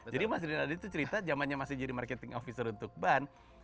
mas rinaldi itu cerita jamannya masih jadi marketing officer untuk ban